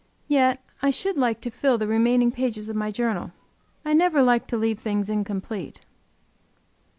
Yet I should like to fill the remaining pages of my journal; I never like to leave things incomplete.